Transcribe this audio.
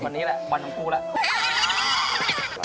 วันนี้แหละวันทั้งคู่แล้ว